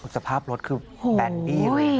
สภาพรถคือแบดดีเลยค่ะ